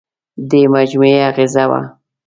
دې مجموعې اغېزه وه.